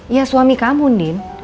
ya suami kamu din